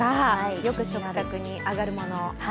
よく食卓に上がるもの。